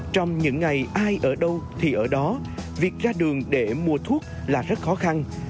trong những ngày ai ở đâu thì ở đó việc ra đường để mua thuốc là rất khó khăn